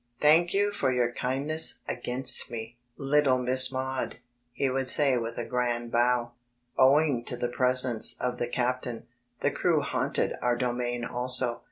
"Thank you for your kindness against me, little Miss Maud," he would say with a grand bow. Owing to the presence of the captain, the crew haunted our domain also.